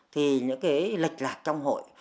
thì những cái lịch lạc trong hội